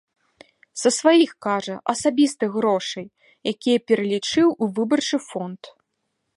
Са сваіх, кажа, асабістых грошай, якія пералічыў у выбарчы фонд.